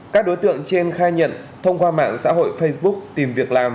các đối tượng trên khai nhận thông qua mạng xã hội facebook tìm việc làm